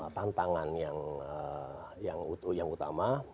tantangan yang utama